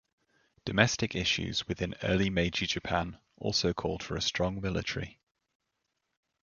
Domestic issues within early Meiji Japan also called for a strong military.